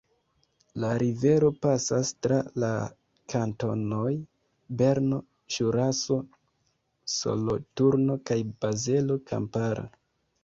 La rivero pasas tra la kantonoj Berno, Ĵuraso, Soloturno kaj Bazelo Kampara.